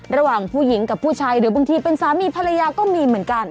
ระหว่างผู้หญิงกับผู้ชายหรือบางทีเป็นสามีภรรยาก็มีเหมือนกัน